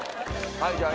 はいじゃあＡ。